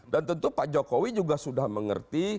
dan tentu pak jokowi juga sudah mengerti